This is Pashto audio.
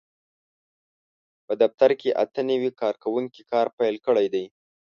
په دفتر کې اته نوي کارکوونکي کار پېل کړی دی.